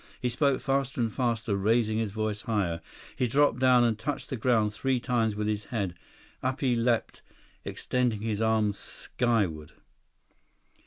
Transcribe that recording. He spoke faster and faster, raising his voice higher. He dropped down and touched the ground three times with his head. Up he leaped, extending his arms skyward.